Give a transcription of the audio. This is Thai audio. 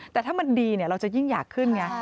แต่ถ้ามันดีเราจะยิ่งอยากขึ้นไง